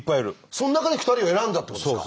その中で２人を選んだってことですか？